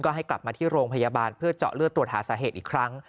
ให้กลับมาที่โรงพยาบาลเพื่อเจาะเลือดตรวจหาสาเหตุอีกครั้ง